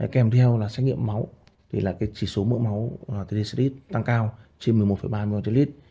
kèm theo là xét nghiệm máu thì là cái chỉ số mỡ máu tăng cao trên một mươi một ba ml